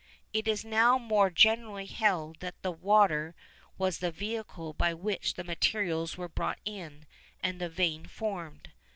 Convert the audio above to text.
It is now more generally held that water was the vehicle by which the materials were brought in, and the vein formed.